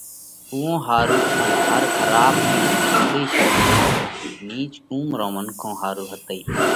اُوئون ۿارُو ان ھر کراٻ ان ڀُونڏئي شينھ نِيچ قُوم رون منکون ۿارُو ھتئي۔